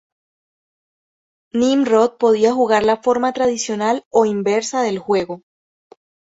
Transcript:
Nimrod podía jugar la forma tradicional o "inversa" del juego.